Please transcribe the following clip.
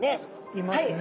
いますね。